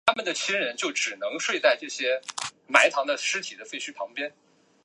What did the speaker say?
这些都不是我在九岁或七岁时所担心的东西。